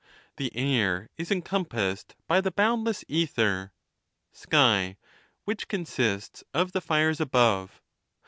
The air is encompassed by the boundless ether (sky), which consists of the fires above.